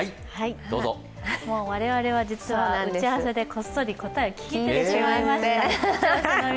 もう我々は実は打ち合わせでこっそり答えを聞いてしまいました。